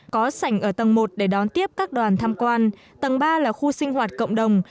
có sảnh ở tầng một để đón tiếp các đoàn tham quan tầng ba là khu sinh hoạt cộng đồng